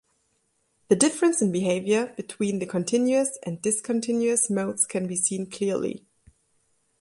The difference in behavior between the continuous and discontinuous modes can be seen clearly.